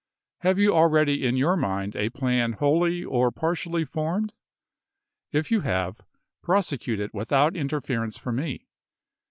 Have you already in your mind a plan wholly or partially formed 1 If you have, prosecute it without interference from me.